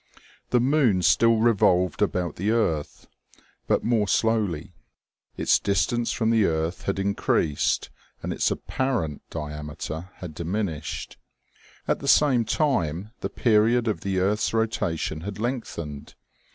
The moon still revolved about the earth, but more slowly. Its distance from the earth had increased and its apparent diameter had diminished. At the same time the period of the earth's rotation had lengthened.